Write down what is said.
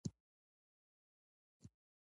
د دوی شمېر په دقيقه توګه معلوم نه دی.